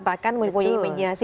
bahkan memiliki imajinasi